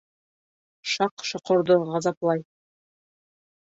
Шаҡ-Шоҡорҙо ғазаплай.